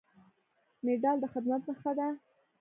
مډال د خدمت نښه ده